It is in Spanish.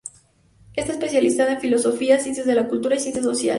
Está especializada en filosofía, ciencias de la cultura y ciencias sociales.